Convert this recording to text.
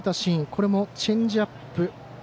これもチェンジアップ。